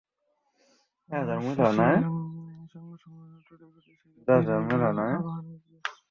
তাই ম্যাচ শেষের সংবাদ সম্মেলনটা তড়িঘড়ি সেরে বেরিয়ে গেলেন আবাহনীর কোচ।